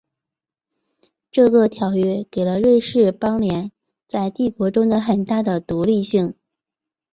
这个条约给了瑞士邦联在帝国中的很大的独立性。